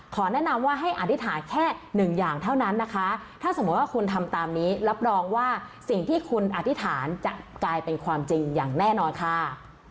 แนะนำว่าให้อธิษฐานแค่หนึ่งอย่างเท่านั้นนะคะถ้าสมมุติว่าคุณทำตามนี้รับรองว่าสิ่งที่คุณอธิษฐานจะกลายเป็นความจริงอย่างแน่นอนค่ะ